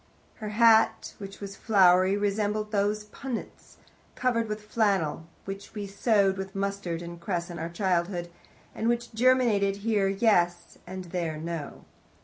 Her hat, which was flowery, resembled those punnets, covered with flannel, which we sowed with mustard and cress in our childhood, and which germinated here yes, and there no.